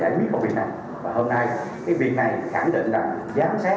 để giải quyết công việc này